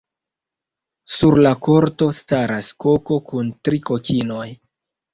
Sur la korto staras koko kun tri kokinoj.